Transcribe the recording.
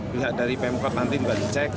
pihak dari pemkot nanti kembali cek